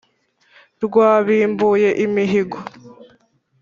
Rwabimbuye imihigo.